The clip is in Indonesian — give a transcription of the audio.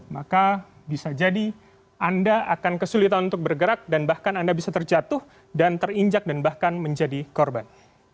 maka bisa jadi anda akan kesulitan untuk bergerak dan bahkan anda bisa terjatuh dan terinjak dan bahkan menjadi korban